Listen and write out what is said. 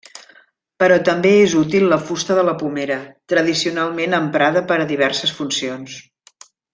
Però també és útil la fusta de la pomera, tradicionalment emprada per a diverses funcions.